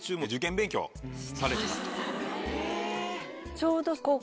ちょうど。